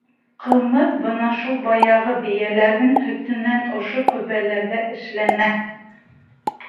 Ҡымыҙ бына шул баяғы бейәләрҙең һөтөнән ошо көбөләрҙә эшләнә.